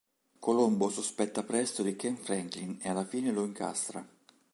Colombo sospetta presto di Ken Franklin e alla fine lo incastra.